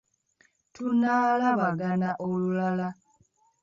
Tunaalabagana olulala.